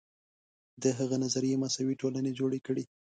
د هغه نظریې مساوي ټولنې جوړې کړې.